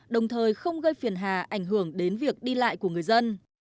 đồng thời không gây phiền hà ảnh hưởng đến việc đi lại của người dân